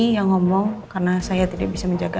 yang ngomong karena saya tidak bisa menjaga